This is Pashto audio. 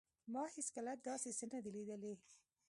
ما هیڅکله داسې څه نه دي لیدلي